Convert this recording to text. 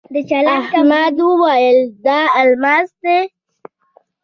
احمد وويل: دا الماس دی.